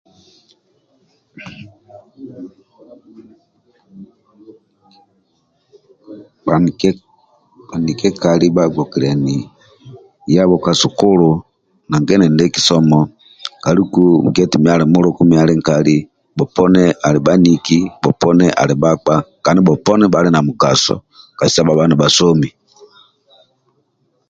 Bhanikie bhanikiekali bhagbokiliani yabho ka sukulu nanga endindi kisomo kaluku gia eti mio ali mulku mio ali nkali bhoni ali bhaniki bhoponi ali bhakpa kandi bhoponi bhali na mugaso kasita bhabha nibha somi